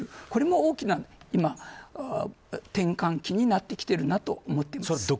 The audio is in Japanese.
これも大きな今、転換期になってきていると思ってます。